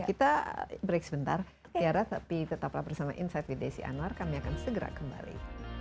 kita break sebentar tiara tapi tetaplah bersama insight with desi anwar kami akan segera kembali